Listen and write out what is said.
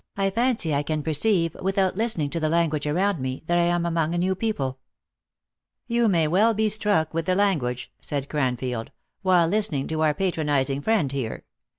293 joz, I fancy I can perceive, without listening to the language around me, that I am among a new people." " You may well be struck with the language," said Cranfield, " while listening to our patronizing friend here.